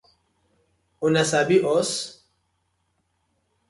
Una sabi os?